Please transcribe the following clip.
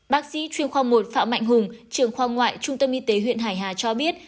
bác sĩ chuyên khoa một phạm mạnh hùng trường khoa ngoại trung tâm y tế huyện hải hà cho biết